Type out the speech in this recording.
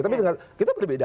tapi kita berbeda